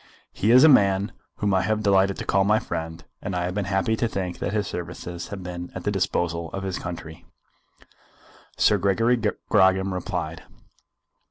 "He is a man whom I have delighted to call my friend, and I have been happy to think that his services have been at the disposal of his country." Sir Gregory Grogram replied.